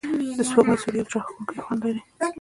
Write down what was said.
د سپوږمۍ سیوری یو زړه راښکونکی خوند لري.